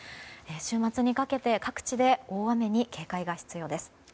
週末にかけて各地で大雨に警戒が必要です。